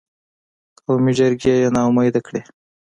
قومي جرګې یې نا امیده کړې.